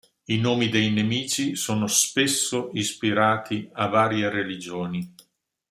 I nomi dei nemici sono spesso ispirati a varie religioni.